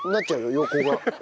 横が。